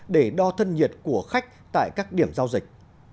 để đo thân nhiệt của khách tại các điểm giao dịch